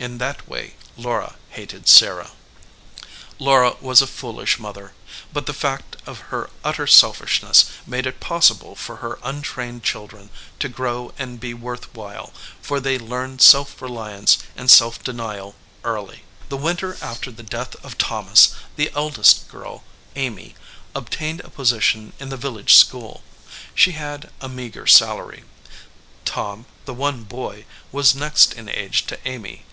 In that way Laura hated Sarah. Laura was a foolish mother, but the fact of her utter selfishness made it possible for her untrained children to grow and be worth while, for they learned self reliance and self denial early. The winter after the death of Thomas, the eldest girl, Amy, obtained a position in the village school. She had a meager salary. Tom, the one boy, was next in age to Amy.